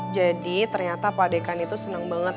jadi ternyata pak dekan itu seneng banget